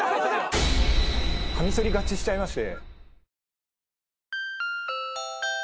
カミソリ勝ちしちゃいまして。